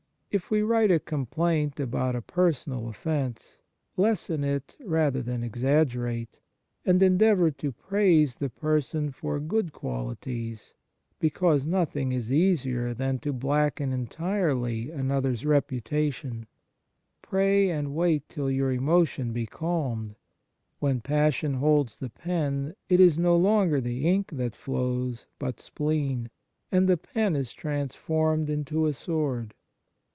If we write a complaint about a personal offence, lessen it rather than exaggerate, and en deavour to praise the person for good quali 60 Sixth Preservative ties, because nothing is easier than to blacken entirely another s reputation. Pray and wait till your emotion be calmed. When passion holds the pen, it is no longer the ink that flows, but spleen, and the pen is transformed into a sword.